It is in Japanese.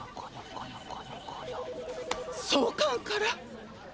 そうかんから！？